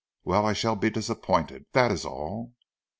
"Well, I shall be disappointed, that is all."